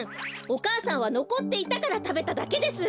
お母さんはのこっていたからたべただけです！